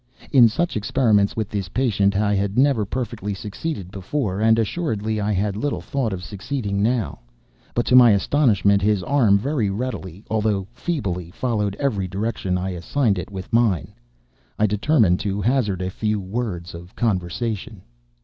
In such experiments with this patient, I had never perfectly succeeded before, and assuredly I had little thought of succeeding now; but to my astonishment, his arm very readily, although feebly, followed every direction I assigned it with mine. I determined to hazard a few words of conversation.